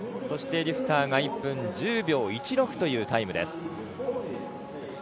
そして、ドゥフターが１分１０秒１６というタイムです。